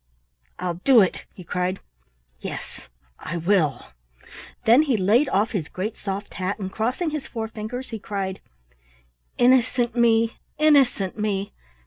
"I'll do it," he cried, "yes, I will." Then he laid of his great soft hat, and crossing his forefingers he cried: "Innocent me! Innocent me!